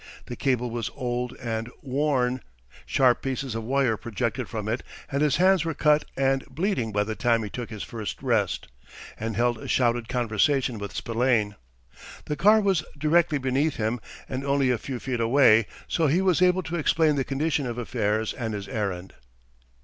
The cable was old and worn, sharp pieces of wire projected from it, and his hands were cut and bleeding by the time he took his first rest, and held a shouted conversation with Spillane. The car was directly beneath him and only a few feet away, so he was able to explain the condition of affairs and his errand.